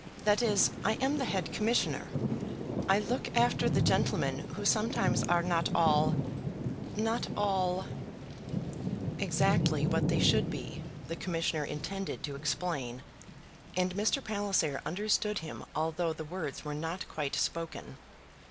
That is, I am the head Commissionaire. I look after the gentlemen who sometimes are not all not all " exactly what they should be, the commissioner intended to explain; and Mr. Palliser understood him although the words were not quite spoken.